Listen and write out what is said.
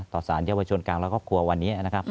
ต่อสารเยาวชนกลางแล้วก็ครับขัววันเจมส์นี้นะครับ